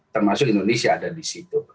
termasuk indonesia ada di situ